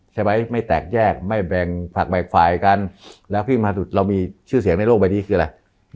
ไม่แตกแยกไม่แบ่งผักแบ่งฝ่ายกันแล้วพี่มหากสุดเรามีชื่อเสียงในโลกใบนี้คืออะไร